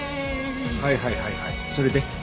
はいはいはいはいそれで？